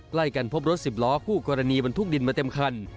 ใกล้กันพบรถสิบล้อคู่กรณีบรรทุกดินมาเต็มคัน